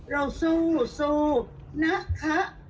เราสู้สู้นับและขะ